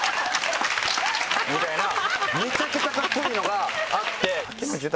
みたいなめちゃくちゃカッコいいのがあって。